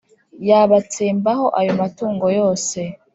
Yabatsembaho ayo matungo yose